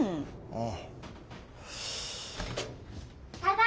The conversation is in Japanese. ああ。